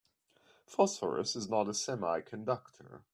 Phosphorus is not a semiconductor.